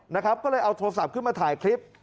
นะครับก็เลยเอาโทรศัพท์ขึ้นมาถ่ายคลิป